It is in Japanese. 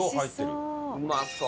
うまそう！